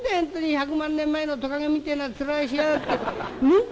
１００万年前のトカゲみてえな面しやがって。